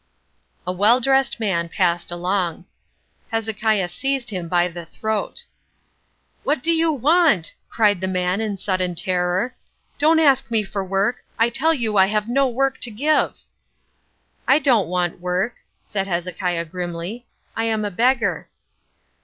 A well dressed man passed along. Hezekiah seized him by the throat. "What do you want?" cried the man in sudden terror. "Don't ask me for work. I tell you I have no work to give." "I don't want work," said Hezekiah grimly. "I am a beggar."